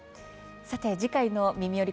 次回の「みみより！